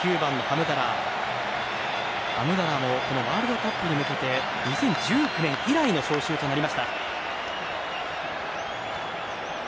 ハムダラーもワールドカップに向けて２０１９年以来の招集となりました。